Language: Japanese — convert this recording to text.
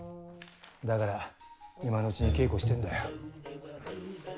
だから今のうちに稽古してんだよ。